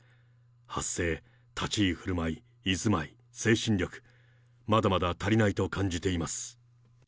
発声、立ち居振る舞い、居ずまい、精神力、まだまだ足りないと感じています。